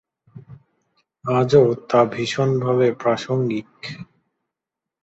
আজও তা ভীষণভাবে প্রাসঙ্গিক।